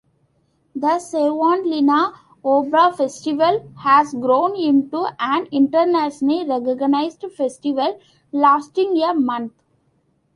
The Savonlinna Opera Festival has grown into an internationally recognised festival lasting a month.